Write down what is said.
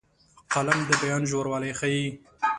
قلم د بیان ژوروالی ښيي